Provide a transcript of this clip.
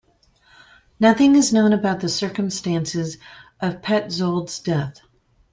Nothing is known about the circumstances of Petzold's death.